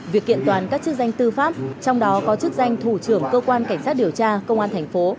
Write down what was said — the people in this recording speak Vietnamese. việc kiện toàn các chức danh tư pháp trong đó có chức danh thủ trưởng cơ quan cảnh sát điều tra công an thành phố